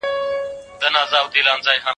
مه کوه په چا، چي و به سي په تا.